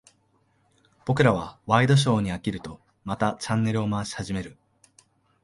僕らはワイドショーに飽きると、またチャンネルを回し始める。